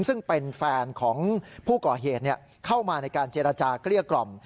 ซึ่งเป็นแฟนของผู้ก่อเหตุเข้ามาในการเจรจาเกลี้ยกล่อม